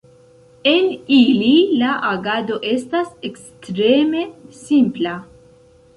En ili la agado estas ekstreme simpla.